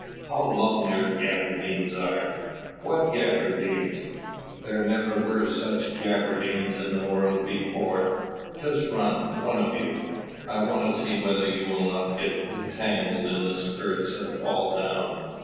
"How long your gaberdines are! What gaberdines! There never were such gaberdines in the world before. Just run, one of you! I want to see whether you will not get entangled in the skirts, and fall down."